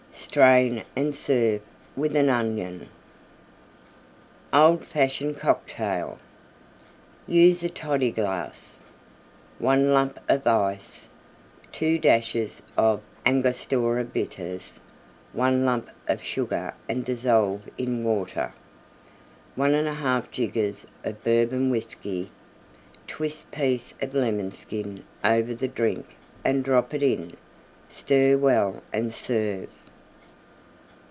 Strain and serve with an Onion. OLD FASHION COCKTAIL Use a Toddy glass. 1 lump of Ice. 2 dashes of Angostura Bitters. 1 lump of Sugar and dissolve in Water. 1 1/2 jiggers of Bourbon Whiskey. Twist piece of Lemon Skin over the drink and drop it in. Stir well and serve.